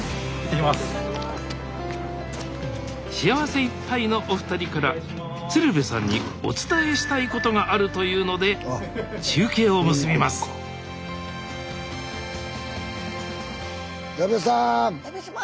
幸せいっぱいのお二人から鶴瓶さんにお伝えしたいことがあるというので矢部さま。